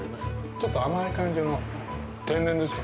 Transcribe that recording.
ちょっと甘い感じの天然ですか？